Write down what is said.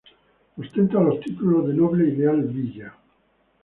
Ostenta los títulos de noble y leal villa.